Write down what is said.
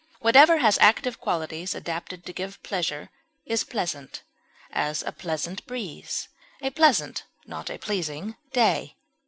Whatever has active qualities adapted to give pleasure is pleasant; as, a pleasant breeze; a pleasant (not a pleasing) day.